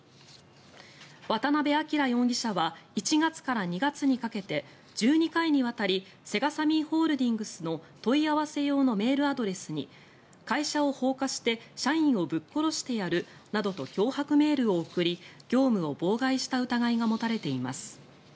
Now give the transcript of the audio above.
渡辺明容疑者は１月から２月にかけて１２回にわたりセガサミーホールディングスの問い合わせ用のメールアドレスに会社を放火して社員をぶっ殺してやるなどと脅迫メールを送り業務を妨害した疑いが持たれています。